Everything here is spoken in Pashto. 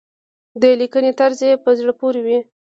د لیکنې طرز يې په زړه پورې وي.